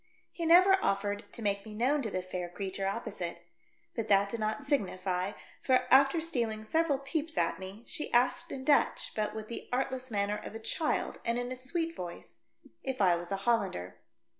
He never offered to make me known to the fair creature opposite, but that did not signify, for, after stealing several peeps at me, she asked in Dutch, but v/ith the artless manner of a child, and in a sweet voice, if I was a Hollander.